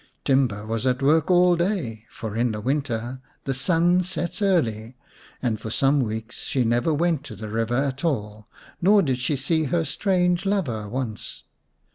Timba was at work all day, for in winter the sun sets early, and for some weeks she never went to the river at all, nor did she see her strange lover once.